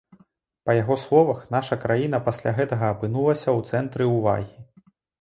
Па яго словах, наша краіна пасля гэтага апынулася ў цэнтры ўвагі.